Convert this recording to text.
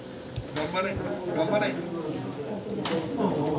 頑張れ頑張れ！